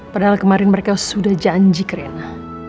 padahal kemarin mereka sudah janji ke rena